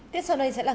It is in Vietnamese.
tiếp sau đây sẽ là